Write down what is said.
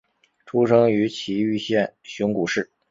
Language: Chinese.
出生于崎玉县熊谷市。